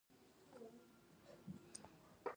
ټول یو ولسمشر لري